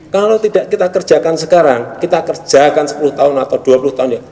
kalau tidak kita kerjakan sekarang kita kerjakan sepuluh tahun atau dua puluh tahun ya